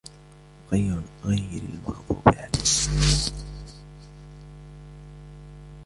غَيْرِ الْمَغْضُوبِ عَلَيْهِمْ